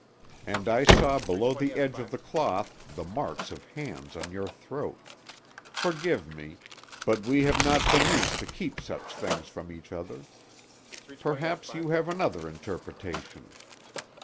And I saw below the edge of the cloth the marks of hands on your throat—forgive me, but we have not been used to keep such things from each other. Perhaps you have another interpretation.